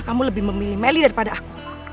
kamu lebih memilih melly daripada aku